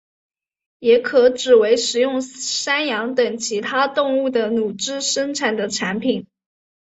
也可指为使用山羊等其他动物的乳汁生产的产品。